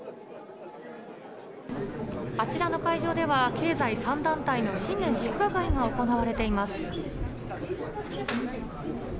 あちらの会場では、経済三団体の新年祝賀会が行われています。